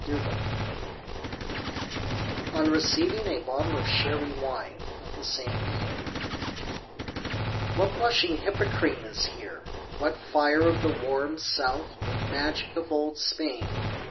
DON QUIXOTE On receiving a bottle of Sherry Wine of the same name What "blushing Hippocrene" is here! what fire Of the "warm South" with magic of old Spain!